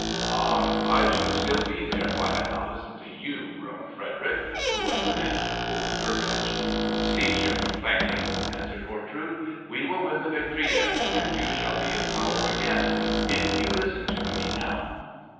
"Ah! I should still be there, if I had not listened to you," groaned Frederick, who was a man of poor courage. "Cease your complaining!" answered Ortrud. "We will win the victory yet, and you shall be in power again, if you listen to me now."